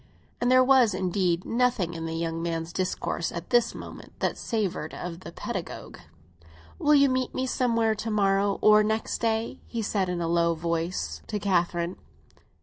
And there was, indeed, nothing in the young man's discourse at this moment that savoured of the pedagogue. "Will you meet me somewhere to morrow or next day?" he said, in a low tone, to Catherine.